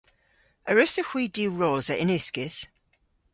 A wrussowgh hwi diwrosa yn uskis?